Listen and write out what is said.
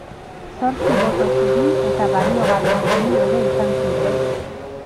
Zortzi boto zuri eta baliogabeko bi ere izan ziren.